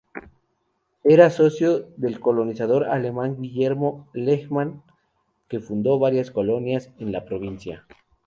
Era socio del colonizador alemán Guillermo Lehmann, que fundó varias colonias en la provincia.